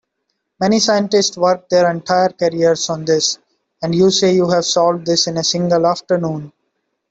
Many scientists work their entire careers on this, and you say you have solved this in a single afternoon?